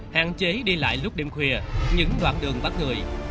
hạn chế đi lại lúc đêm khuya những đoạn đường bắt người